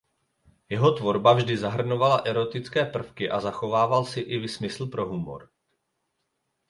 Jeho tvorba vždy zahrnovala erotické prvky a zachovával si i smysl pro humor.